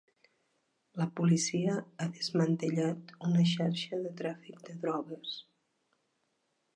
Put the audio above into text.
La policia ha desmantellat una xarxa de tràfic de drogues.